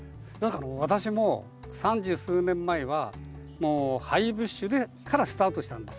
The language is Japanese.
私も三十数年前はハイブッシュからスタートしたんです。